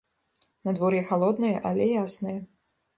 Надвор'е халоднае, але яснае.